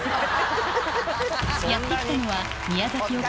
やって来たのは宮崎沖